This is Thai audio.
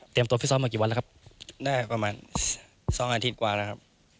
ตัวฟิศซ้อมมากี่วันแล้วครับได้ประมาณ๒อาทิตย์กว่าแล้วครับ